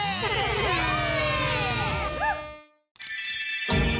イエーイ！